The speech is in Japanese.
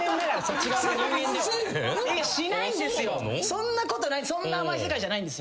そんなことない。